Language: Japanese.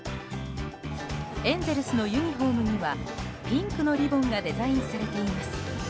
エンゼルスのユニホームにはピンクのリボンがデザインされています。